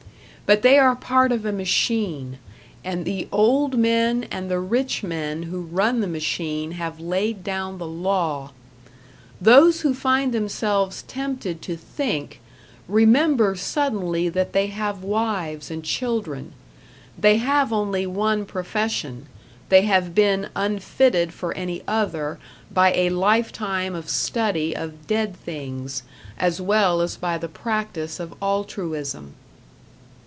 But they are part of a machine, and the old men and the rich men who run the machine have laid down the law. Those who find themselves tempted to think, remember suddenly that they have wives and children; they have only one profession, they have been unfitted for any other by a life time of study of dead things, as well as by the practice of altruism.